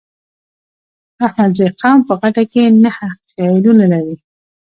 احمدزی قوم په غټه کې نهه خيلونه لري.